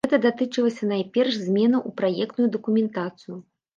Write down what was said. Гэта датычылася найперш зменаў у праектную дакументацыю.